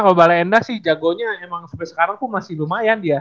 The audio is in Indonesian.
kalo balenda sih jagonya emang sampe sekarang tuh masih lumayan dia